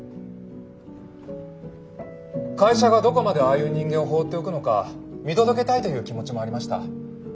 会社がどこまでああいう人間を放っておくのか見届けたいという気持ちもありました。